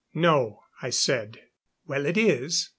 "No," I said. "Well, it is.